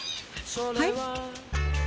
はい？